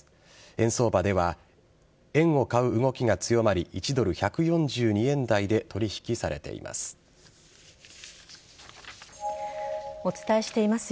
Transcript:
円相場では円を買う動きが強まり１ドル１４２円台で取引されています。